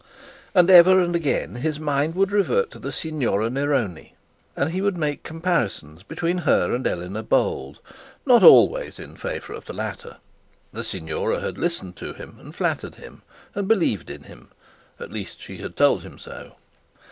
And ever and again his mind would revert to the Signora Neroni, and he would make comparisons between her and Eleanor Bold, not always in favour of the latter. The signora had listened to him, and flattered him, and believed in him; at least she had told him so.